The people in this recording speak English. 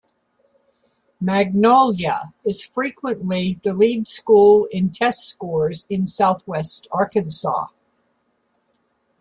Magnolia is frequently the lead school in test scores in southwest Arkansas.